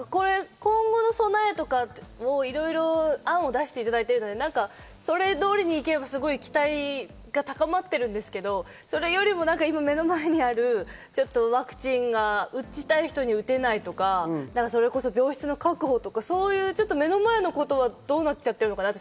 今後の備えとか、いろいろ案を出していただいているので、それ通りにいけば期待が高まっているんですけど、それよりも今、目の前にあるワクチンを打ちたい人が打てないとか、病室の確保とか、そういう目の前のことはどうなっちゃってるのかなって。